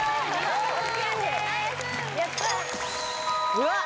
うわっ